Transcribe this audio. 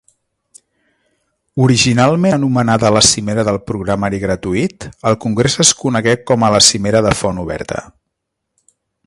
Originalment anomenada la cimera del programari gratuït, el congrés es conegué com a la Cimera de font oberta.